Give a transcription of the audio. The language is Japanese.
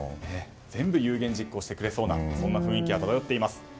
全部、有言実行してくれそうな雰囲気が漂っています。